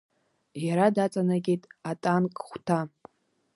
Иара даҵанакит атанк хәҭа.